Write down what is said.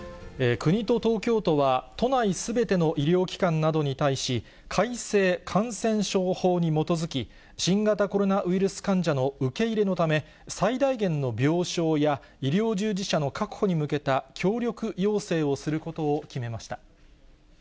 国と東京都は、都内すべての医療機関などに対し、改正感染症法に基づき、新型コロナウイルス患者の受け入れのため、最大限の病床や医療従事者の確保に向けた協力要請をすることを決めました。